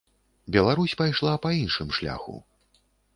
Беларусь пайшла па іншым шляху.